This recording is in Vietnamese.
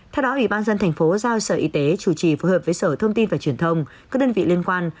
theo đó ủy ban nhân dân tp hcm giao sở y tế chủ trì phù hợp với sở thông tin và truyền thông các đơn vị liên quan